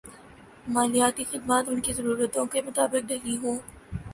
مالیاتی خدمات ان کی ضرورتوں کے مطابق ڈھلی ہوں